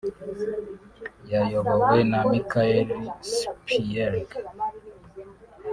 yayobowe na Michael Spierig